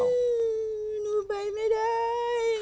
หนูไปไม่ได้